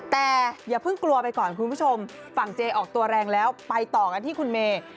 แต่อย่าเพิ่งกลัวไปก่อนคุณผู้ชมฝั่งเจออกตัวแรงแล้วไปต่อกันที่คุณเมย์